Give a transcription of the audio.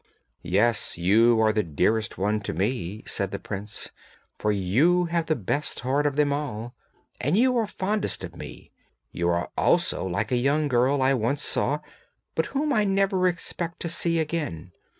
'Yes, you are the dearest one to me,' said the prince, 'for you have the best heart of them all, and you are fondest of me; you are also like a young girl I once saw, but whom I never expect to see again.